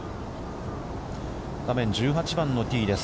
画面１８番のティーです。